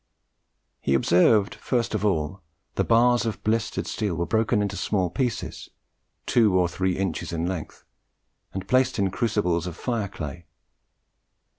He observed, first of all, that bars of blistered steel were broken into small pieces, two or three inches in length, and placed in crucibles of fire clay.